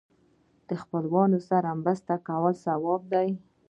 د خپلوانو سره مرسته کول ثواب دی.